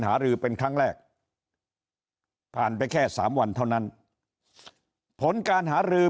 หารือเป็นครั้งแรกผ่านไปแค่สามวันเท่านั้นผลการหารือ